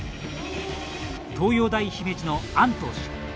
東洋大姫路のアン投手。